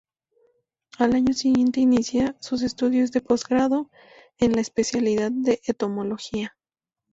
Al siguiente año, inicia sus estudios de Postgrado en la especialidad de Entomología.